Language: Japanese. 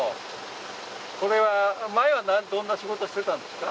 前はどんな仕事をしていたんですか？